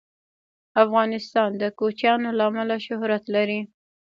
افغانستان د کوچیان له امله شهرت لري.